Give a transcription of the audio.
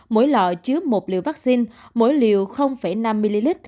mỗi lọ chứa một liều vaccine mỗi liều năm ml